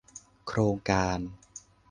โครงการ